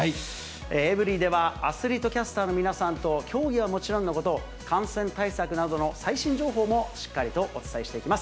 エブリィでは、アスリートキャスターの皆さんと、競技はもちろんのこと、感染対策などの最新情報もしっかりとお伝えしていきます。